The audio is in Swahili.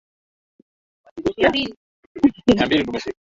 walisafiri kwenda kwenye mashindano ya tenisi